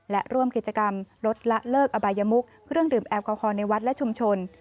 และร่วมกิจกรรมลดละเลิกอบายมุกเครื่องดื่มแอลกอฮอลในวัดและชุมชน